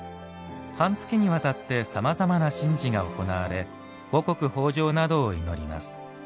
半月に渡ってさまざまな神事が行われ五穀豊じょうなどを祈ります。